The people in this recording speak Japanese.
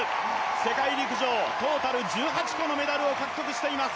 世界陸上、トータル１８個のメダルを獲得しています。